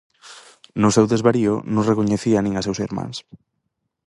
No seu desvarío non recoñecía nin a seus irmáns.